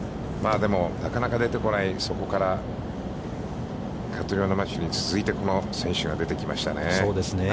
でも、なかなか出てこないそこからマシューに続いて、この選手が出てきましたね。